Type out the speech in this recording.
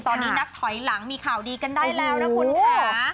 ตอนนี้นับถอยหลังมีข่าวดีกันได้แล้วนะคุณค่ะ